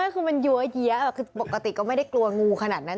คือมันยั้วเยี้ยคือปกติก็ไม่ได้กลัวงูขนาดนั้น